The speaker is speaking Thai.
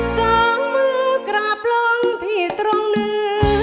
สองมือกราบลงพี่ตรงเนื้อ